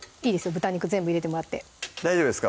豚肉全部入れてもらって大丈夫ですか？